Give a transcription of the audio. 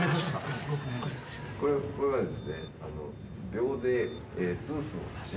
これはですね。